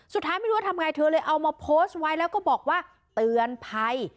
สุดท้ายไม่รู้ว่าทำไงเธอเลยเอามาโพสต์ไว้แล้วก็บอกว่าเตือนภัย